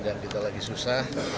yang kita lagi susah